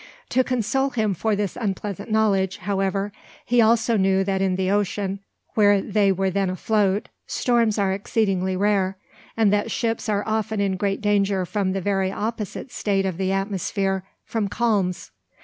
To console him for this unpleasant knowledge, however, he also knew that in the ocean, where they were then afloat, storms are exceedingly rare, and that ships are often in greater danger from the very opposite state of the atmosphere, from calms.